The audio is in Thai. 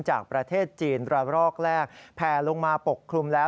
จากประเทศจีนระลอกแรกแผ่ลงมาปกคลุมแล้ว